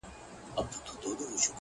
• د هیلو تر مزاره مي اجل راته راغلی,